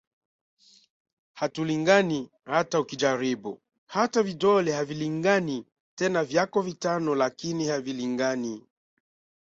"Hatulingani, hata ukijaribu, hata vidole havilingani, tena vyako vitano lakini havilingani"